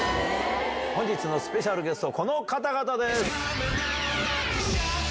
本日のスペシャルゲスト、この方々です。